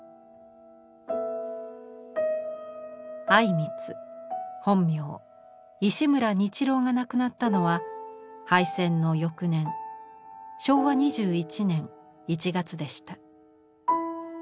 靉光本名石村日郎が亡くなったのは敗戦の翌年昭和２１年１月でした。